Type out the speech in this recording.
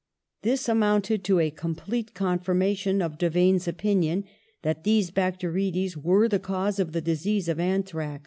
This amounted to a complete confirmation of Davaine's opinion, that these bacterides were the cause of the disease of anthrax.